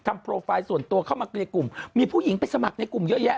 ทำส่วนตัวเข้ามากรุ่มมีผู้หญิงไปสมัครในกลุ่มเยอะแยะ